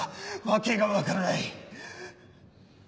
訳が分からない。